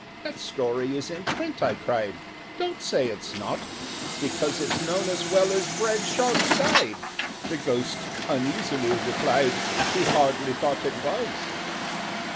"That story is in print!" I cried. "Don't say it's not, because It's known as well as Bradshaw's Guide!" (The Ghost uneasily replied He hardly thought it was).